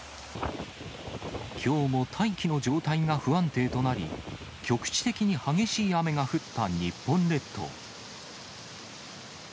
きょうも大気の状態が不安定となり、局地的に激しい雨が降った日本列島。